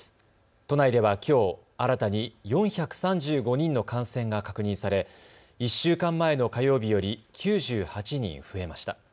都内ではきょう新たに４３５人の感染が確認され１週間前の火曜日より９８人増えました。